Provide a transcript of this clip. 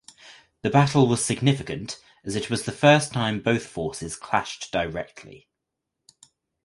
The battle was significant as it was the first time both forces clashed directly.